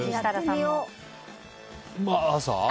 朝？